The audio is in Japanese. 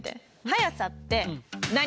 速さって何？